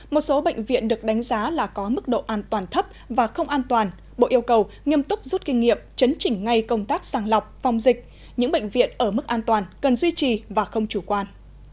một số bệnh viện được đánh giá là có mức độ an toàn thấp và không an toàn bộ yêu cầu nghiêm túc rút kinh nghiệm chấn chỉnh ngay công tác sàng lọc phòng dịch những bệnh viện ở mức an toàn cần duy trì và không chủ quan